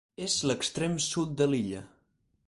És l'extrem sud de l'illa.